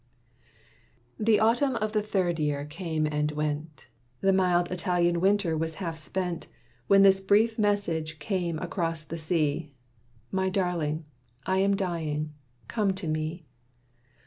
The Autumn of the third year came and went; The mild Italian winter was half spent, When this brief message came across the sea: "My darling! I am dying. Come to me.